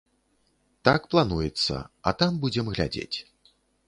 Так плануецца, а там будзем глядзець.